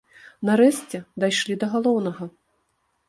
Нарэшце, дайшлі да галоўнага.